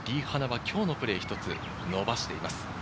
リ・ハナは今日のプレー、１つ伸ばしています。